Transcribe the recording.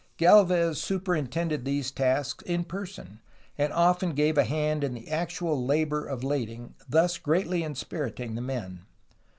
Galvez superintended these tasks in person, and often gave a hand in the actual labor of lading, thus greatly inspiriting the men.